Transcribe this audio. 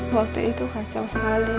waktu itu kacau sekali